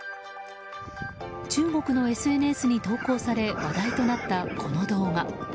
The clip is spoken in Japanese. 中国のＳＮＳに投稿され話題となった、この動画。